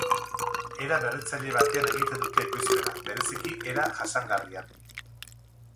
Era berritzaile batean egiten dute ekoizpena, bereziki, era jasangarrian.